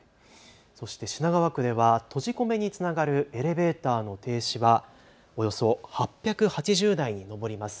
そして品川区では閉じ込めにつながるエレベーターの停止はおよそ８８０台に上ります。